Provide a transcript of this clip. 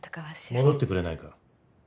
戻ってくれないか。